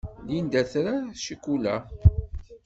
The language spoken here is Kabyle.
Linda tra ccikula.